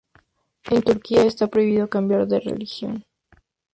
En Turquía está prohibido cambiar de religión.